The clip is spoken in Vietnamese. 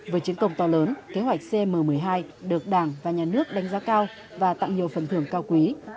với chiến công to lớn kế hoạch cm một mươi hai được đảng và nhà nước đánh giá cao và tặng nhiều phần thưởng cao quý